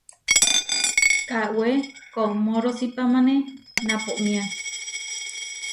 Kawé koʼmorosípamane naʼpomiá.